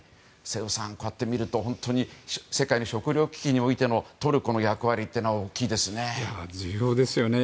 瀬尾さん、こうやって見ると本当に世界の食糧危機においてのトルコの役割って大きいですね。